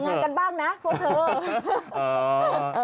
งานกันบ้างนะพวกเธอ